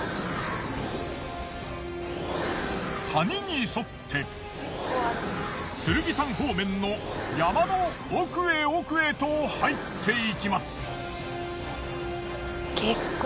谷に沿って剣山方面の山の奥へ奥へと入っていきます。